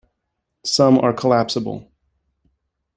Some are collapsible.